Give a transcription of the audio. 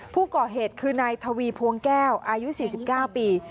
ผู้ก่อเหตุคือนายทวีพวงแก้วอายุ๔๙ปี